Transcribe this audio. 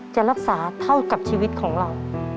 จะรักษาเท่ากับชีวิตของเรา